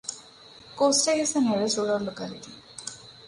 Kostek is the nearest rural locality.